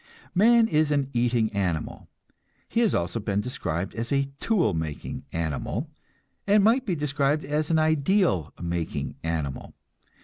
Man is an eating animal; he has also been described as a tool making animal, and might be described as an ideal making animal.